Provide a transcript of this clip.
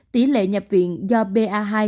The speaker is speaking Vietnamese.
tỷ lệ nhập viện do ba hai